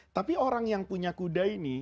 tapi orang yang punya kuda ini